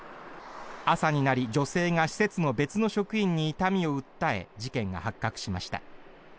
朝になり女性が施設の別の職員に痛みを訴え事件が発覚しました。